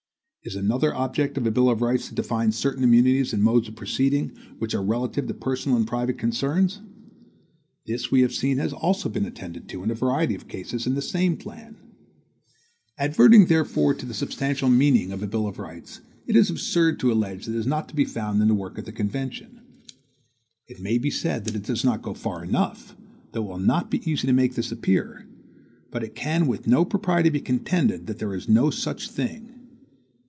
Is another object of a bill of rights to define certain immunities and modes of proceeding, which are relative to personal and private concerns? This we have seen has also been attended to, in a variety of cases, in the same plan. Adverting therefore to the substantial meaning of a bill of rights, it is absurd to allege that it is not to be found in the work of the convention. It may be said that it does not go far enough, though it will not be easy to make this appear; but it can with no propriety be contended that there is no such thing.